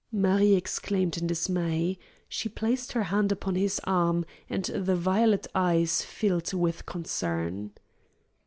Marie exclaimed in dismay. She placed her hand upon his arm, and the violet eyes filled with concern.